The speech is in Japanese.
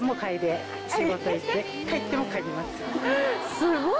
すごい。